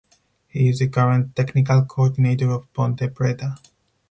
He is the current technical coordinator of Ponte Preta.